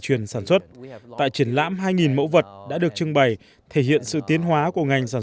truyền sản xuất tại triển lãm hai mẫu vật đã được trưng bày thể hiện sự tiến hóa của ngành sản